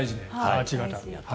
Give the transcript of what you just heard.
アーチ型。